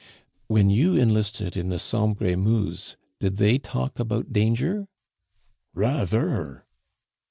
"When you enlisted in the Sambre et Meuse, did they talk about danger?" "Rather."